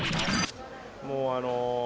もうあの。